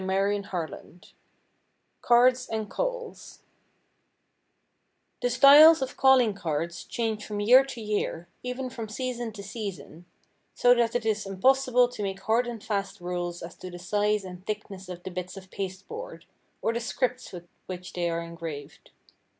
CHAPTER II CARDS AND CALLS THE styles of calling cards change from year to year, even from season to season, so that it is impossible to make hard and fast rules as to the size and thickness of the bits of pasteboard, or the script with which they are engraved.